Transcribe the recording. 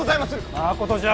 まことじゃ。